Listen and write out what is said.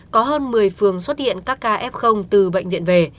có hơn một mươi phường xuất hiện các ca f từ bệnh viện về